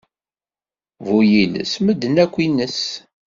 Bu yiles, medden akk yines.